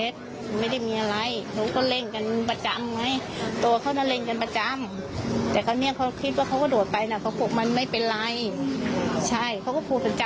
ช่วงที่น้ำมันจะจืดเนี่ยมันก็จะต้องมันจะเป็นอย่างนี้ทุกปี